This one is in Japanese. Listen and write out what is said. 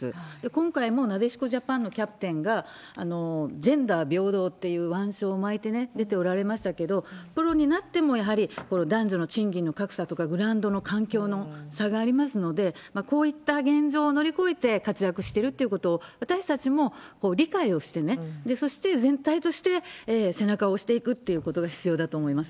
今回もなでしこジャパンのキャプテンが、ジェンダー平等っていう腕章を巻いて出ておられましたけれども、プロになってもやはり男女の賃金の格差とか、グラウンドの環境の差がありますので、こういった現状を乗り越えて活躍してるっていうことを、私たちも理解をしてね、そして全体として背中を押していくっていうことが必要だと思います。